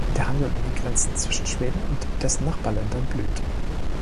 Der Handel an den Grenzen zwischen Schweden und dessen Nachbarländern blüht.